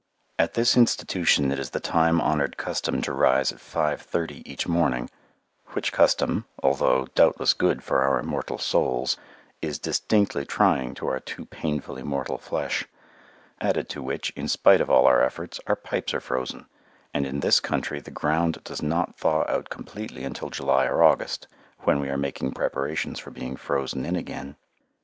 At this institution it is the time honoured custom to rise at five thirty each morning, which custom, although doubtless good for our immortal souls, is distinctly trying to our too painfully mortal flesh. Added to which, in spite of all our efforts, our pipes are frozen, and in this country the ground does not thaw out completely until July or August, when we are making preparations for being frozen in again.